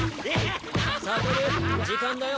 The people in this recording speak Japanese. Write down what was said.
悟時間だよ。